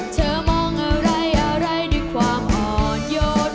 เธอมองอะไรอะไรด้วยความอ่อนโยน